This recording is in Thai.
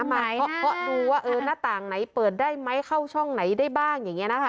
เพราะดูว่าหน้าต่างไหนเปิดได้ไหมเข้าช่องไหนได้บ้างอย่างนี้นะคะ